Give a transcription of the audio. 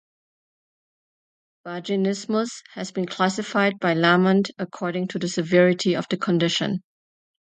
Vaginismus has been classified by Lamont according to the severity of the condition.